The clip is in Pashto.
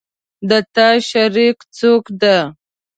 د تا شریک څوک ده